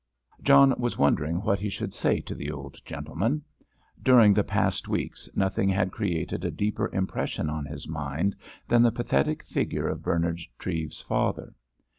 John was wondering what he should say to the old gentleman. During the past weeks nothing had created a deeper impression on his mind than the pathetic figure of Bernard Treves's father.